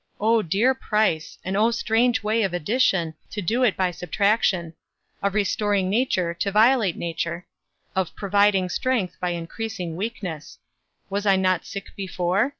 O dear price, and O strange way of addition, to do it by subtraction; of restoring nature, to violate nature; of providing strength, by increasing weakness. Was I not sick before?